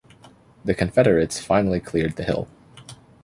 The Confederates finally cleared the hill.